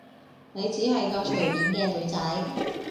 你只係個隨便嘅女仔